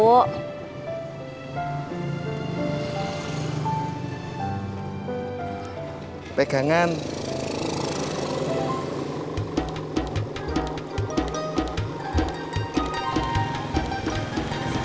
udah sembuh tau